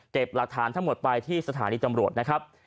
หลักฐานทั้งหมดไปที่สถานีตำรวจนะครับ